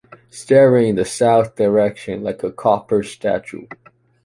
Staring in the south direction, like a copper statue